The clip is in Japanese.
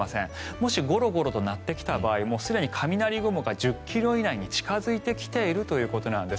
もしゴロゴロと鳴ってきた場合すでに雷雲が１０ｋｍ地内に近付いているということです。